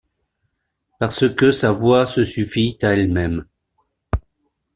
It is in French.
Parce que sa voix se suffit à elle-même.